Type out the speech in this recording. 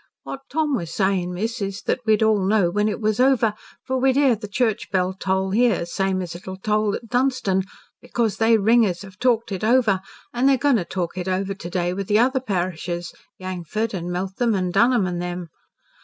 What Tom was sayin', miss, was that we'd all know when it was over, for we'd hear the church bell toll here same as it'd toll at Dunstan, because they ringers have talked it over an' they're goin' to talk it over to day with the other parishes Yangford an' Meltham an' Dunholm an' them.